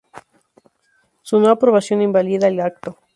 Su no aprobación invalida el acto.